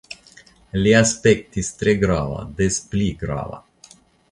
Li aspektis tre grava, des pli grava.